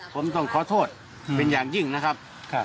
ผมต้องขอโทษเป็นอย่างยิ่งนะครับ